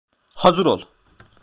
Hazır ol!